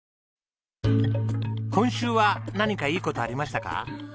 今週は何かいい事ありましたか？